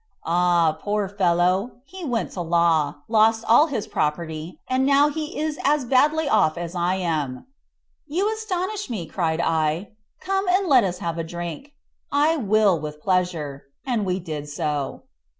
"Ah, poor fellow; he went to law, lost all his property, and now he is as badly off as I am." "You astonish me," cried I; "come and let us have a drink." "I will, with pleasure," and we did so.